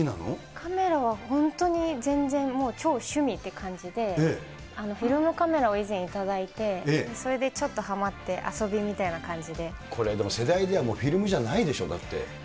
カメラは本当に全然もう超趣味って感じで、フィルムカメラを以前、頂いて、それでちょっとはまって遊びみたこれ、でも、世代では、もうフィルムじゃないでしょ？だって。